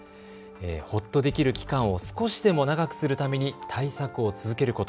ほっとできる期間を少しでも長くするために対策を続けること。